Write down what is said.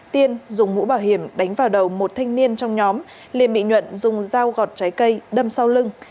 tiên dùng mũ bảo hiểm đánh vào đầu một thanh niên trong nhóm liền bị nhuận dùng dao gọt trái cây đâm sau lưng